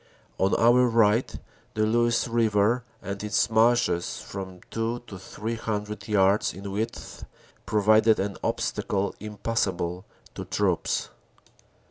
On our right the Luce river and its marshes, from two to three hundred yards in width, provided an obstacle impassable to troops.